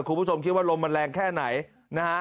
คุณผู้ชมคิดว่ามันแรงแค่ไหน